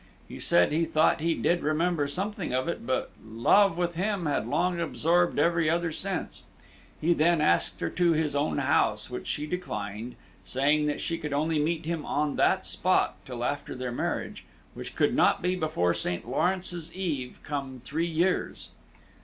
He said he thought he did remember something of it, but love with him had long absorbed every other sense. He then asked her to his own house, which she declined, saying she could only meet him on that spot till after their marriage, which could not be before St. Lawrence's Eve come three years.